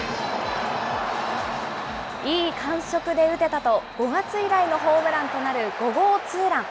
いい感触で打てたと、５月以来のホームランとなる５号ツーラン。